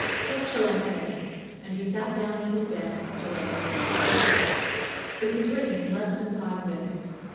What shall I say?" and he sat down at his desk to write the letter. It was written in less than five minutes.